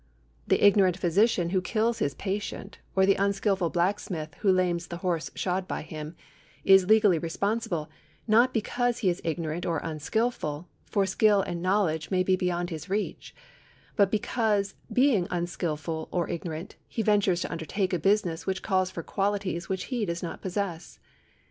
The ignorant physician who kills his patient, or the unskilful blacksmith who lames the horse shod by him, is legally responsible, not because he is ignorant or unskilfid — for skill and knowledge may be beyond his reach — but be cause, being unskilful or ignorant, he ventures to undertake a business which calls for qualities which he does not possess.